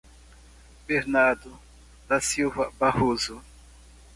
Bernardo da Silva Barroso